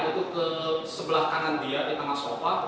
itu ke sebelah kanan dia di tengah sofa